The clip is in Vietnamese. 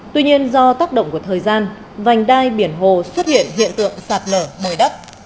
tuy nhiên do tác động của thời gian vành đai biển hồ xuất hiện hiện tượng sạt lở bồi đắp